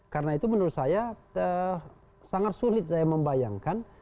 karena itu menurut saya sangat sulit saya membayangkan